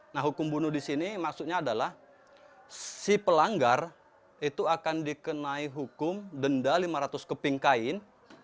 nah hukum bunuh di sini maksudnya adalah si pelanggar itu akan dikenai hukum denda lima ratus keping kain